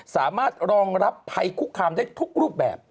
สามารถรองรับภัยคุกคามได้ทุกรูปแบบ